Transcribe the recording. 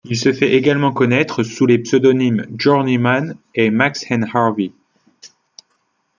Il se fait également connaitre sous les pseudonymes Journeyman et Max & Harvey.